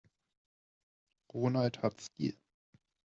Ronald hat Stil.